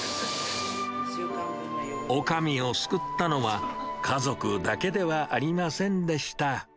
おかみを救ったのは、家族だけではありませんでした。